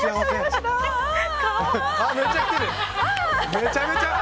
めちゃめちゃ！